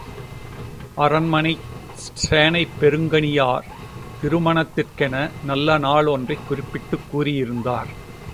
அரண்மனைச் சேனைப்பெருங்கணியார், திருமணத்திற்கென நல்ல நாள் ஒன்றைக் குறிப்பிட்டுக் கூறியிருந்தார்.